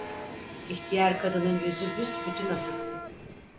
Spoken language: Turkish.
İhtiyar kadının yüzü büsbütün asıktı.